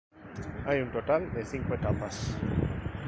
Hay un total de cinco etapas.